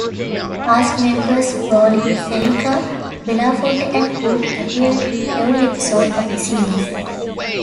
Cast members Brolin, Sellecca, Belafonte and Cook appeared in every episode of the series.